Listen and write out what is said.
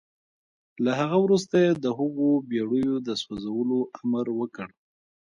له هغه وروسته يې د هغو بېړيو د سوځولو امر وکړ.